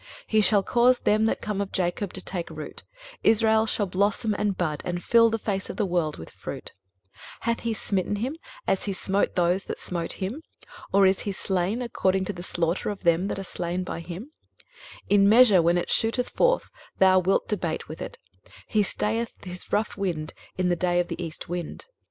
23:027:006 He shall cause them that come of Jacob to take root: Israel shall blossom and bud, and fill the face of the world with fruit. 23:027:007 Hath he smitten him, as he smote those that smote him? or is he slain according to the slaughter of them that are slain by him? 23:027:008 In measure, when it shooteth forth, thou wilt debate with it: he stayeth his rough wind in the day of the east wind.